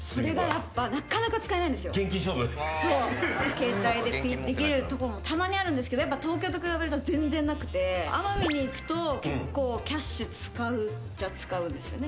携帯でピッできるとこもたまにあるんですけどやっぱ東京と比べると全然なくて奄美に行くと結構キャッシュ使うっちゃ使うんですよね。